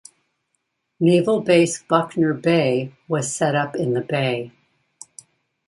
Naval Base Buckner Bay was set up in the bay.